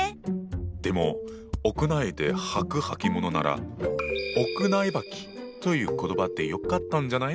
でも屋内で履くはきものなら「屋内履き」という言葉でよかったんじゃない。